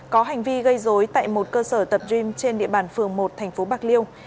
có hành vi gây dối tại một cơ sở tập gym trên địa bàn phường một tp bạc liêu